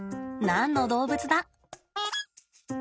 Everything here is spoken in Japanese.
何の動物だ？